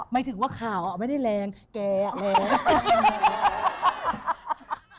ไม่ถึงว่าข่าวไม่ได้แรงแกแหลม